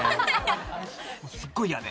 もうすっごい嫌で。